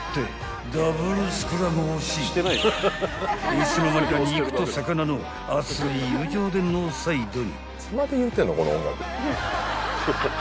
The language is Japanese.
［いつの間にか肉と魚の厚い友情でノーサイドに］